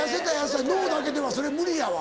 脳だけではそれ無理やわ。